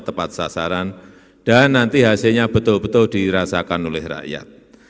tepat sasaran dan nanti hasilnya betul betul dirasakan oleh rakyat